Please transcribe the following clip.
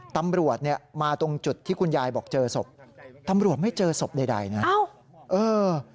ตำรวจเนี่ยมาตรงจุดที่คุณยายบอกเจอศพตำรวจไม่เจอศพใดนะเออ